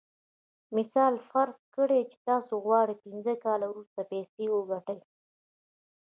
مثلاً فرض کړئ چې تاسې غواړئ پينځه کاله وروسته پيسې وګټئ.